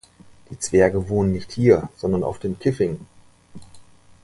Die Zwerge wohnen nicht hier, sondern auf dem Kiffing.